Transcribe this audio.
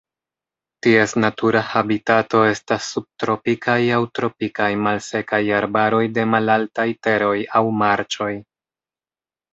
Ties natura habitato estas subtropikaj aŭ tropikaj malsekaj arbaroj de malaltaj teroj aŭ marĉoj.